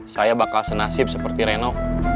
saya bakal senasib seperti renov